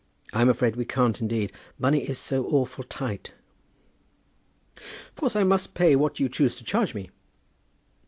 I'm afraid we can't, indeed. Money is so awful tight." "Of course I must pay what you choose to charge me."